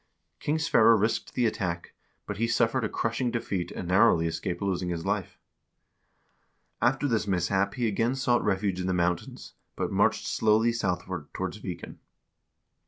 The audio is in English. King Sverre risked the attack, but he suffered a crushing defeat, and narrowly escaped losing his life. After this mishap he again sought refuge in the mountains, but marched slowly southward towards Viken.